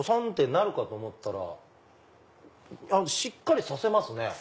ってなるかと思ったらしっかり刺せますね。